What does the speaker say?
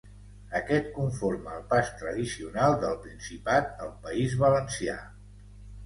Aquest conforma el pas tradicional del Principat al País Valencià.